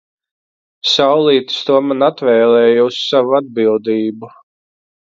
Saulītis to man atvēlēja uz savu atbildību.